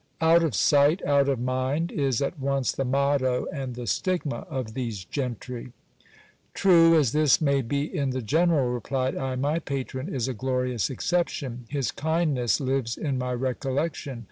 Out of sight out of mind ! is at once the motto and the stigma of these gentry. True as this may be in the general, replied I, my patron is a glorious excep ti an. His kindness lives in my recollection.